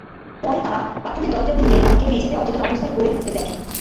পরে তাঁরা বাথরুমের দরজা ভেঙে তাঁকে মেঝেতে অচেতন অবস্থায় পড়ে থাকতে দেখেন।